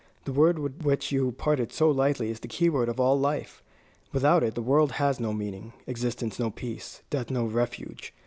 The word with which you parted so lightly is the keyword of all life. Without it the world has no meaning, existence no peace, death no refuge.